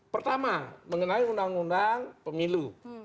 pertama mengenai undang undang pemilu